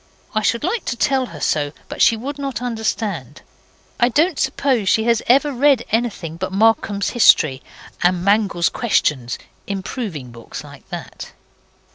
I should like to tell her so; but she would not understand. I don't suppose she has ever read anything but Markham's History and Mangnall's Questions improving books like that.